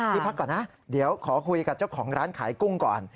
พี่พักก่อนนะเดี๋ยวขอคุยกับเจ้าของร้านขายกุ้งก่อน